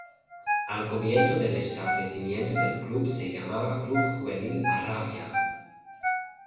Al comienzo del establecimiento del club, se llamaba "Club Juvenil Arabia".